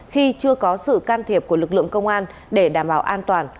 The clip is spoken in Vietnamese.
khi chưa có sự can thiệp của lực lượng công an để đảm bảo an toàn